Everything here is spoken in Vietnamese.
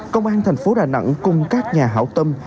công an thành phố đà nẵng cùng các nhà hảo tâm